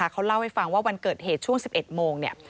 เขาเล่าให้ฟังว่าวันเกิดเหตุช่วง๑๑โมงเนี่ย